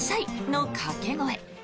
の掛け声。